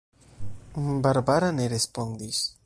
Barbara ne respondis.